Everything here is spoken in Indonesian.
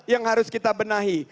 yang harus kita benahi